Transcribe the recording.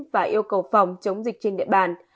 và yêu cầu phòng chống dịch trên địa bàn